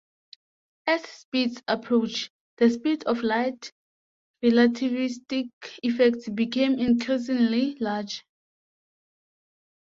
As speeds approach the speed of light, relativistic effects become increasingly large.